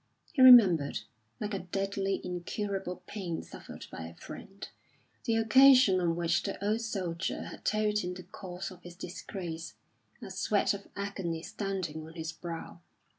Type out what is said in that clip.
He remembered, like a deadly, incurable pain suffered by a friend, the occasion on which the old soldier had told him the cause of his disgrace, a sweat of agony standing on his brow.